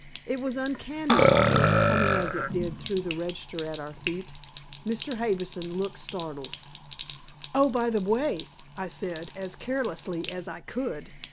It was uncanny, of course, coming as it did through the register at our feet. Mr. Harbison looked startled. "Oh, by the way," I said, as carelessly as I could.